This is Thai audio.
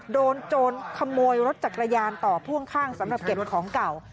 โจรขโมยรถจักรยานต่อพ่วงข้างสำหรับเก็บของเก่า